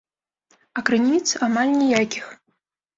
А крыніц амаль ніякіх.